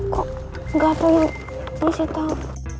kok gak tau yang ini saya tau